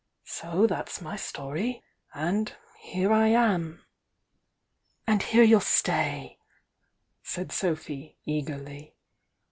So that's my story — and here I am!" "And here you'll stay!" said Sophy eagerly.